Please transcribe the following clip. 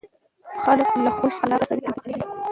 خلک له خوش اخلاقه سړي توکي اخلي.